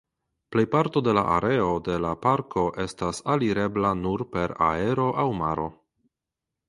Plejparto de la areo de la parko estas alirebla nur per aero aŭ maro.